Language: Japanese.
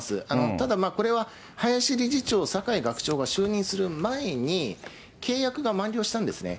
ただこれは、林理事長、酒井学長が就任する前に、契約が満了したんですね。